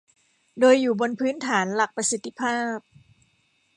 โดยอยู่บนพื้นฐานหลักประสิทธิภาพ